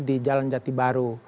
di jalan jati baru